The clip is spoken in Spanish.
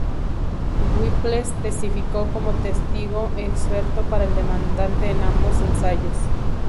Whipple testificó como testigo experto para el demandante en ambos ensayos.